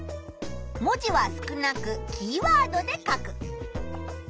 文字は少なくキーワードで書く。